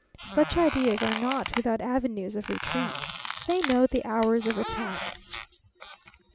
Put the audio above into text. Such ideas are not without avenues of retreat; they know the hours of attack.